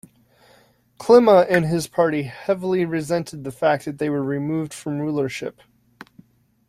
Klima and his party heavily resented the fact that they were removed from rulership.